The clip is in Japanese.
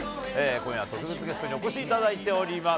今夜は特別ゲストにお越しいただいております。